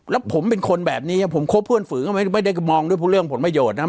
แล้วผมเป็นคนแบบนี้ผมคบเพื่อนฝือก็ไม่ได้มองด้วยเรื่องผลประโยชน์นะ